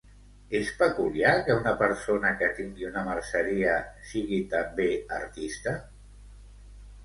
És peculiar que una persona que tingui una merceria sigui també artista?